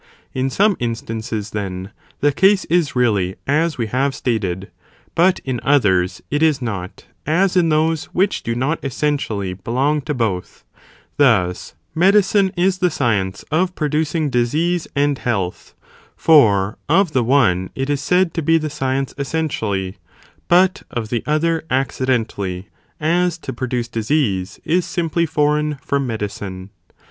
In some instances then, the case is really as we have stated, but in others it is not, as in those which do not essentially belong to both; thus, medicine {is the science) of producing disease and health, for of the one it is said (to be the science) essentially, but of the other acci dentally, as to produce disease is simply foreign from medicine.